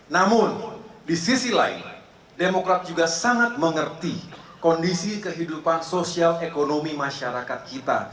namun di sisi lain demokrat juga sangat mengerti kondisi kehidupan sosial ekonomi masyarakat kita